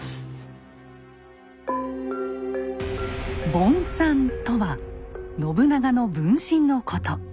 「盆山」とは信長の分身のこと。